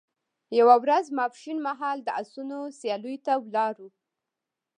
یوه ورځ ماپښین مهال د اسونو سیالیو ته ولاړو.